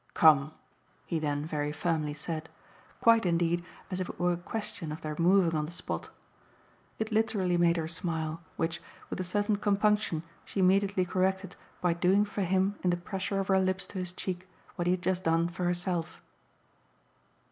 "Come!" he then very firmly said quite indeed as if it were a question of their moving on the spot. It literally made her smile, which, with a certain compunction, she immediately corrected by doing for him in the pressure of her lips to his cheek what he had just done for herself.